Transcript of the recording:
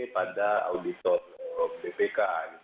pada auditor bpk